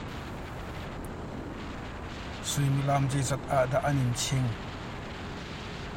Suimilam zeizat ah dah an in ching?